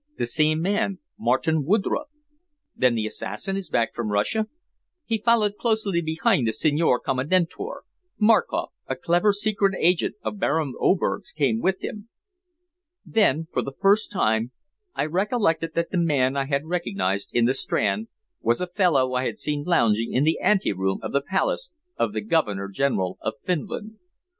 "The same man, Martin Woodroffe." "Then the assassin is back from Russia?" "He followed closely behind the Signor Commendatore. Markoff, a clever secret agent of Baron Oberg's, came with him." Then for the first time I recollected that the man I had recognized in the Strand was a fellow I had seen lounging in the ante room of the palace of the Governor General of Finland.